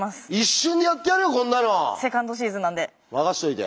任しといて。